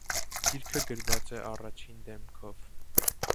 Գիրքը գրվել է առաջին դեմքով։